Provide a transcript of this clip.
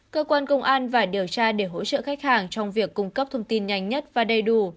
cơ quan công an và điều tra để hỗ trợ khách hàng trong việc cung cấp thông tin nhanh nhất và đầy đủ